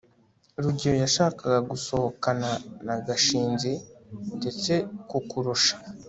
rugeyo yashakaga gusohokana na gashinzi ndetse kukurusha